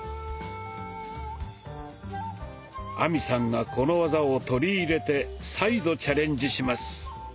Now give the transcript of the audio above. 亜美さんがこの技を取り入れて再度チャレンジします。